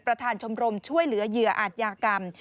ชมรมช่วยเหลือเหยื่ออาจยากรรม